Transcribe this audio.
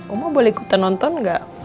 oma boleh ikutan nonton nggak